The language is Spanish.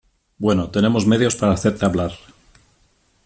Bueno, tenemos medios para hacerte hablar.